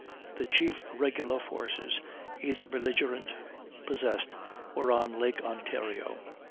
The chief regular forces either belligerent possessed were on Lake Ontario.